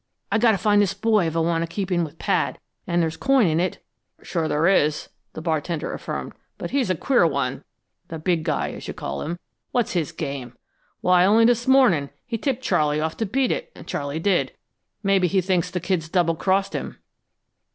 I got to find this boy if I want to keep in with Pad, and there's coin in it." "Sure there is," the bartender affirmed. "But he's a queer one the big guy, as you call him. What's his game? Why, only this morning, he tipped Charley off to beat it, and Charley did. Maybe he thinks the kid's double crossed him."